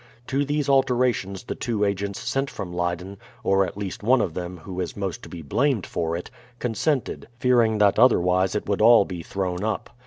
To these alterations the two agents sent from Leyden (or at least one of them who is most to be blamed for it) consented, fearing that otherwise it would all be thrown up.